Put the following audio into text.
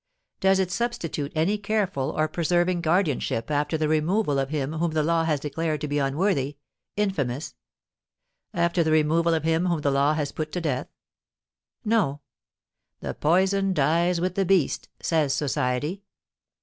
Does it substitute any careful or preserving guardianship after the removal of him whom the law has declared to be unworthy, infamous, after the removal of him whom the law has put to death? No; "the poison dies with the beast," says society.